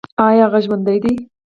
ایا هغه ژوندی دی؟